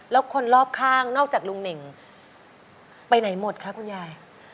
แล้วคนรอบข้างนอกจากลุงเน่งไปไหนหมดคะคุณยาย